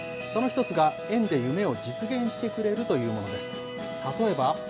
その１つが園で夢を実現してくれるというものです。